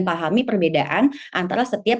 pahami perbedaan antara setiap